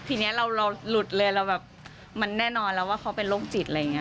ทีนี้เราหลุดเลยเราแบบมันแน่นอนแล้วว่าเขาเป็นโรคจิตอะไรอย่างนี้